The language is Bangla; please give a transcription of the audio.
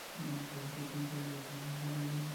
বরঞ্চ তিনি চলে যেতেন দেশ বিদেশ সফরে।